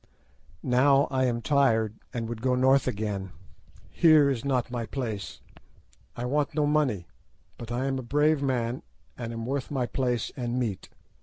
Now I am tired, and would go North again. Here is not my place. I want no money, but I am a brave man, and am worth my place and meat.